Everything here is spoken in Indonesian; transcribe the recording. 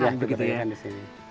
iya diberdayakan di sini